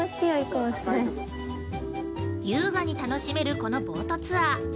◆優雅に楽しめるこのボートツアー。